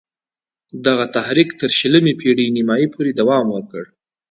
دغه تحریک تر شلمې پېړۍ نیمايی پوري دوام وکړ.